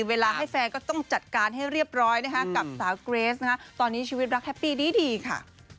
เวลาให้แฟนก็ต้องจัดการให้เรียบร้อยนะคะกับสาวเกรสนะคะตอนนี้ชีวิตรักแฮปปี้ดีค่ะ